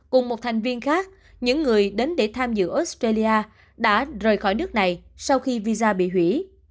cùng một thành viên khác những người đến để tham dự australia đã rời khỏi nước này sau khi visa bị hủy